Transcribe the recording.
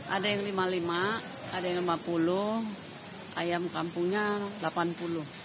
ada yang rp lima puluh lima ada yang rp lima puluh ayam kampungnya rp delapan puluh